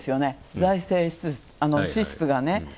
財政支出がね。